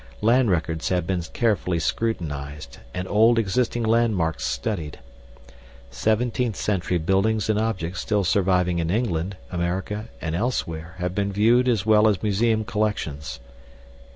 Land records have been carefully scrutinized and old existing landmarks studied. Seventeenth century buildings and objects still surviving in England, America, and elsewhere have been viewed as well as museum collections.